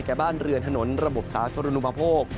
แก่บ้านเรือนถนนระบบสาธารณูนพะโพก